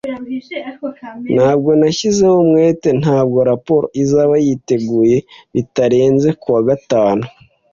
Nubwo nashyizeho umwete, ntabwo raporo izaba yiteguye bitarenze kuwa gatanu.